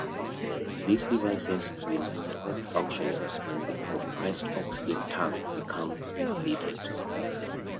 These devices will stop functioning when the compressed oxygen tank becomes depleted.